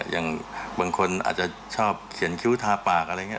อย่างบางคนอาจจะชอบเขียนคิ้วทาปากอะไรอย่างนี้